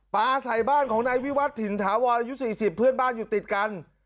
ปลาใส่บ้านของนายวิวัตรถิ่นถาวรอายุ๔๐เพื่อนบ้านอยู่ติดกัน